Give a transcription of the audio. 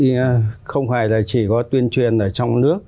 tôi nghĩ không hoài là chỉ có tuyên truyền ở trong nước